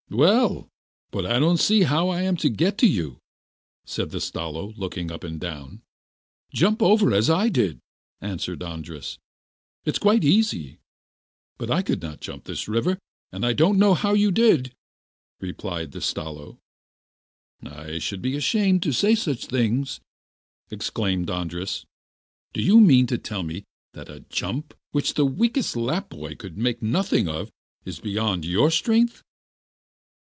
'Well, but I don't see how I am to get to you1' said the Stalo, looking up and down. 'Jump over, as I did,' answered Andras; 'it is quite easy.' 'But I could not jump this river; and I don't know how you did,' replied the Stalo. 'I should be ashamed to say such things,' exclaimed Andras. 'Do you mean to tell me that a jump, which the weakest Lapp boy would make nothing of, is beyond your strength?